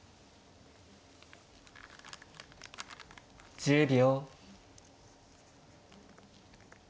１０秒。